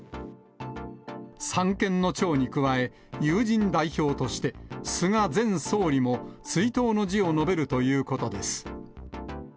三権の長に加え、友人代表として、菅前総理も追悼の辞を述べるということです。